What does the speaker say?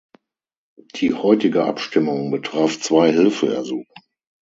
Die heutige Abstimmung betraf zwei Hilfeersuchen.